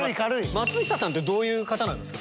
松下さんってどういう方なんですか？